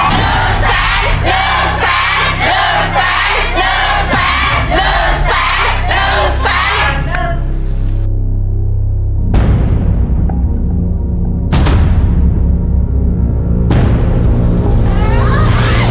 ลูกแสนลูกแสนลูกแสนลูกแสน